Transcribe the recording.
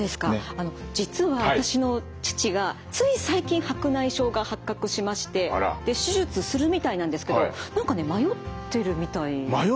あの実は私の父がつい最近白内障が発覚しましてで手術するみたいなんですけど何かね迷ってるみたいなんですよ。